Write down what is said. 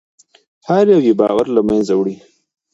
هر یو یې باور له منځه وړي.